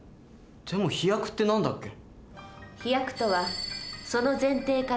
でも飛躍って何だっけ？